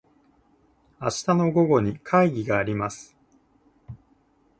明日の午後に会議があります。